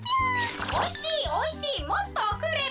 「おいしいおいしいもっとおくれ！」。